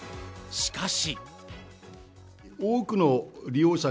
しかし。